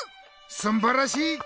すんばらしい！